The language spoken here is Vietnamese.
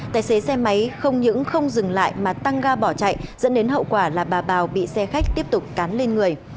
tài xế xe máy không những không dừng lại mà tăng ga bỏ chạy dẫn đến hậu quả là bà bào bị xe khách tiếp tục cán lên người